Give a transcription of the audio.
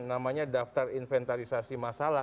namanya daftar inventarisasi masalah